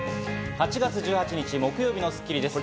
８月１８日、木曜日の『スッキリ』です。